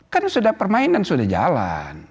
kan sudah permainan sudah jalan